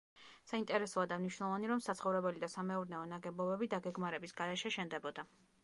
საინტერესოა და მნიშვნელოვანი, რომ საცხოვრებელი და სამეურნეო ნაგებობები დაგეგმარების გარეშე შენდებოდა.